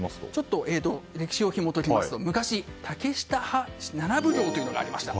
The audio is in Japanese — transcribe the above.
歴史をひも解きますと昔、竹下派七奉行がありました。